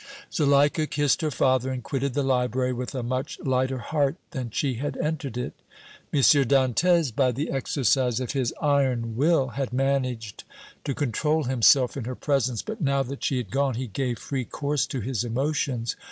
Zuleika kissed her father and quitted the library with a much lighter heart than she had entered it. M. Dantès, by the exercise of his iron will, had managed to control himself in her presence, but now that she had gone he gave free course to his emotions.